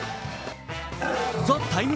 「ＴＨＥＴＩＭＥ，」